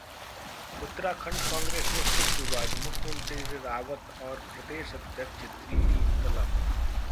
उत्तराखंड कांग्रेस में फिर विवाद, मुख्यमंत्री रावत और प्रदेश अध्यक्ष दिल्ली तलब